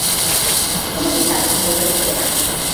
Como se está a desenvolver este verán?